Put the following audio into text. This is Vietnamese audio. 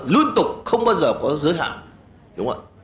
luôn tục không bao giờ có giới hạn